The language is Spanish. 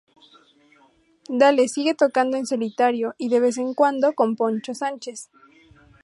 Dale sigue tocando en solitario y, de vez en cuando, con Poncho Sánchez.